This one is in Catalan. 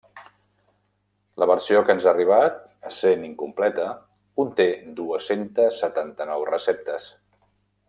La versió que ens n'ha arribat, essent incompleta, conté dues-centes setanta-nou receptes.